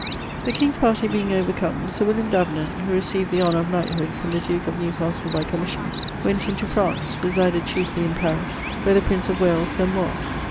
The King's party being overcome, Sir William Davenant (who received the honour of knighthood from the duke of Newcastle by commision) went into France; resided chiefly in Paris where the Prince of Wales then was.